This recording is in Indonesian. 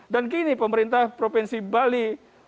dan kini pemerintah provinsi bali